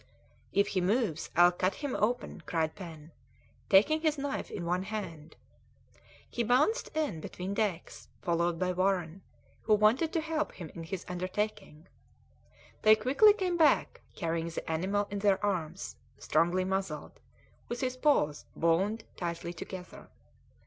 "If he moves I'll cut him open," cried Pen, taking his knife in one hand. He bounced in between decks, followed by Warren, who wanted to help him in his undertaking. They quickly came back, carrying the animal in their arms, strongly muzzled, with his paws bound tightly together.